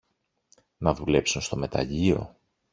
να δουλέψουν στο μεταλλείο